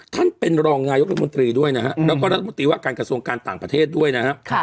ท่านเป็นรองนายกรัฐมนตรีด้วยนะฮะแล้วก็รัฐมนตรีว่าการกระทรวงการต่างประเทศด้วยนะฮะ